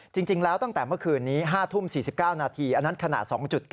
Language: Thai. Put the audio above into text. จริงแล้วตั้งแต่เมื่อคืนนี้๕ทุ่ม๔๙นาทีอันนั้นขนาด๒๙